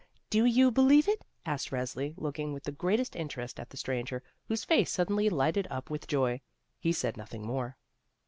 "Do you believe it?" asked Resli, looking with the greatest interest at the stranger, whose face suddenly lighted up with joy. He said nothing more.